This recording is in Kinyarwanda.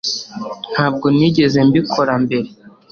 Ntabwo nigeze mbikora mbere